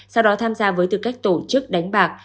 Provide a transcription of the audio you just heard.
sau đó tham gia với tư cách tổ chức đánh bạc